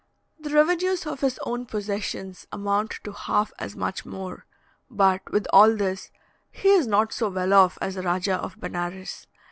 The revenues of his own possessions amount to half as much more; but with all this, he is not so well off as the Rajah of Benares.